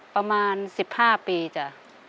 ประมาณ๑๕ปีจ้ะ